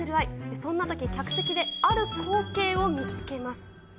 そんなとき、客席である光景を見つけます。